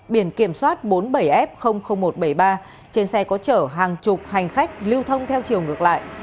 biển kiểm soát bốn mươi bảy f một trăm bảy mươi ba trên xe có chở hàng chục hành khách lưu thông theo chiều ngược lại